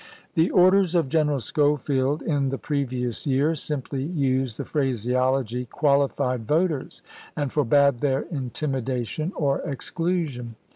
The orders of General Schofield in the previous year simply used the phraseology " qualified vot ers" and forbade their intimidation or exclusion.